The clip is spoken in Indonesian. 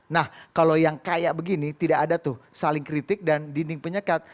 nah kalau yang kayak begini tidak ada tuh saling kritik dan dinding penyekat